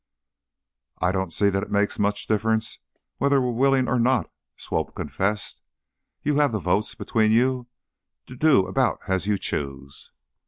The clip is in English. "I don't see that it makes much difference whether we're willing or not," Swope confessed. "You have the votes, between you, to do about as you choose."